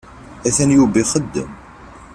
Atan Yuba ixeddem.